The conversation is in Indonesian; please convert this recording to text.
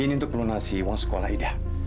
izin untuk melunasi uang sekolah ida